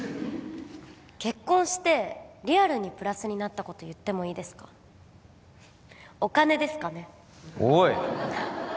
結婚してリアルにプラスになったこと言ってもいいですかお金ですかねおい！